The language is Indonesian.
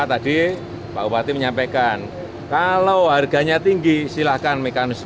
tadi pak upati menyampaikan kalau harganya tinggi silakan mekanisme